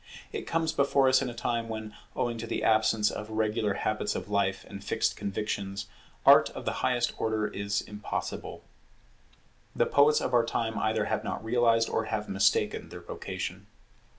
It comes before us in a time when, owing to the absence of regular habits of life and fixed convictions, art of the highest order is impossible. The poets of our time either have not realized or have mistaken their vocation.